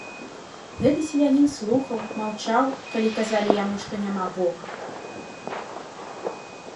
Гэты селянін слухаў, маўчаў, калі казалі яму, што няма бога.